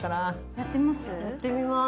やってみます。